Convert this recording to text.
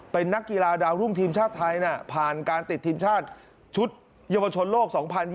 เป็นนักกีฬาดาวรุ่งทีมชาติไทยผ่านการติดทีมชาติชุดเยาวชนโลก๒๐๒๐